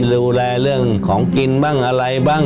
ดูแลเรื่องของกินบ้างอะไรบ้าง